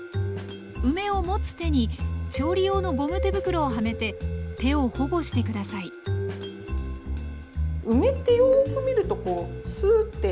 梅を持つ手に調理用のゴム手袋をはめて手を保護して下さい梅ってよく見るとスーッって。